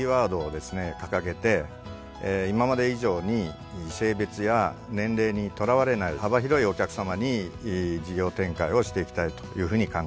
掲げて今まで以上に性別や年齢にとらわれない幅広いお客さまに事業展開をしていきたいというふうに考えています。